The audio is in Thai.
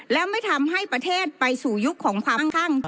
และไม่ทำให้ประเทศไปสู่ยุคของความข้างตัว